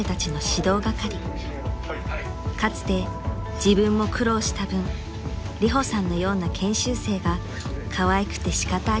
［かつて自分も苦労した分リホさんのような研修生がかわいくて仕方ありません］